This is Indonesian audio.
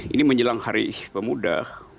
ini menjelang hari pemuda